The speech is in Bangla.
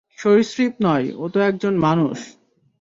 সরীসৃপ নয়, ও তো একজন মানুষ।